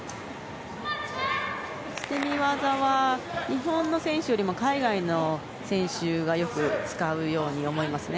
捨て身技は日本の選手よりも海外の選手がよく使うように思いますね。